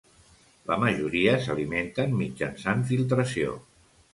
La majoria s'alimenten mitjançant filtració.